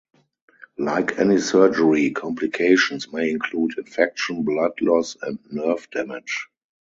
Like any surgery, complications may include infection, blood loss, and nerve damage.